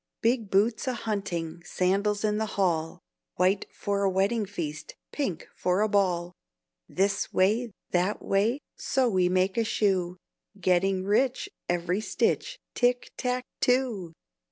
"Big boots a hunting, Sandals in the hall, White for a wedding feast, Pink for a ball. This way, that way, So we make a shoe; Getting rich every stitch, Tick tack too!"